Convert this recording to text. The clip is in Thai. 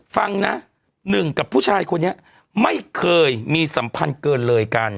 ฟังนะหนึ่งกับผู้ชายคนนี้ไม่เคยมีสัมพันธ์เกินเลยกัน